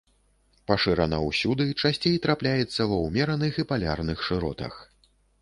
Пашырана ўсюды, часцей трапляецца ва ўмераных і палярных шыротах.